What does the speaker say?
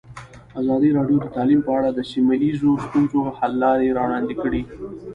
ازادي راډیو د تعلیم په اړه د سیمه ییزو ستونزو حل لارې راوړاندې کړې.